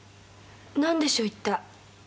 何でしょう一体？